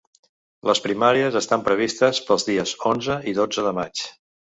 Les primàries estan previstes pels dies onze i dotze de maig.